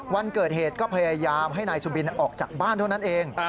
วันเกิดเหตุก็พยายามให้นายสุบินออกจากบ้านเท่านั้นเอง